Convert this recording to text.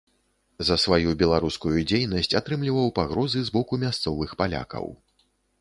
За сваю беларускую дзейнасць атрымліваў пагрозы з боку мясцовых палякаў.